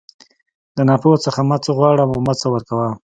د ناپوه څخه مه څه غواړه او مه څه ورکوه.